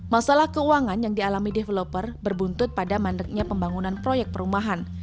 masalah keuangan yang dialami developer berbuntut pada mandeknya pembangunan proyek perumahan